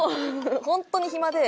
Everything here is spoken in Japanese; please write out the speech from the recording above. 本当に暇で。